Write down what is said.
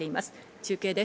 中継です。